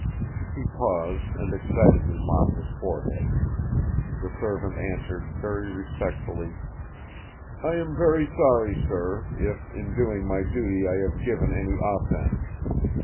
He paused and excitedly mopped his forehead. The servant answered very respectfully: "I am very sorry, sir, if in doing my duty I have given any offence.